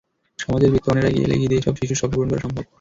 সমাজের বিত্তবানেরা এগিয়ে এলে ঈদে এসব শিশুর স্বপ্ন পূরণ করা সম্ভব।